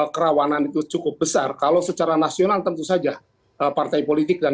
kerawanan itu cukup besar kalau secara nasional tentu saja partai politik dan